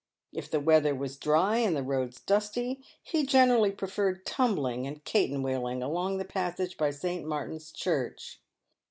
If the weather was dry and the roads dusty, he gene rally preferred " tumbling" and " caten wheeling" along the passage by St. Martin's Church.